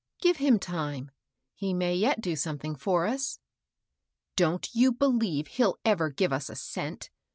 Give him time ; he may yet do some thing for us." " Don't you believe he'll ever give us a cent